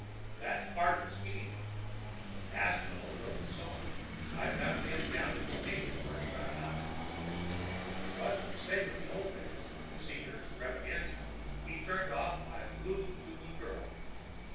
"That's part of the scheme. Aspwell wrote the song. I found him down in bohemia working on an opera. But, for the sake of old days in the senior extravaganza, he turned off 'My Lulu Tulu Girl.'